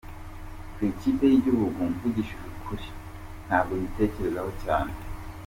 Ku ikipe y’igihugu mvugishije ukuri, ntabwo nyitekerezaho cyane.